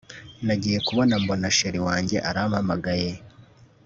Nagiye kubona mbona Chr wanjye arampamagaye